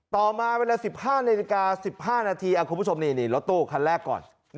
ต่อมาเวลา๑๕นาฬิกา๑๕นาทีคุณผู้ชมนี่รถตู้คันแรกก่อน